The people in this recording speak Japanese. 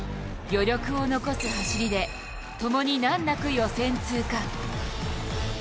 余力を残す走りで、共に難なく予選を通過。